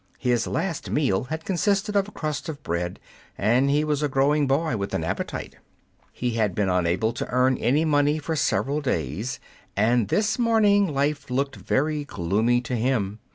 His last meal had consisted of a crust of bread, and he was a growing boy with an appetite. He had been unable to earn any money for several days, and this morning life looked very gloomy to him.